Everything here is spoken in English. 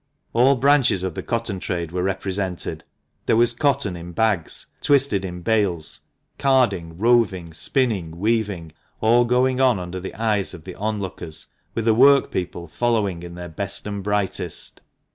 All branches of the cotton trade were represented. There was cotton in bags ; twist in bales ; carding, roving, spinning, weaving, all going on under the eyes of the onlookers, with the workpeople following in their best and brightest.